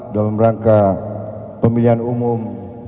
dalam rangka pemilihan umum